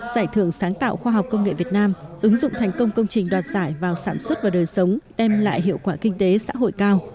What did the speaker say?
giải thưởng sáng tạo khoa học công nghệ việt nam ứng dụng thành công công trình đoạt giải vào sản xuất và đời sống đem lại hiệu quả kinh tế xã hội cao